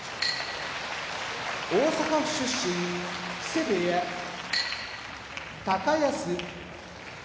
大阪府出身木瀬部屋高安